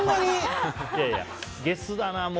ゲスだな。